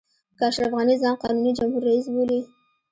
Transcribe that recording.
که اشرف غني ځان قانوني جمهور رئیس بولي.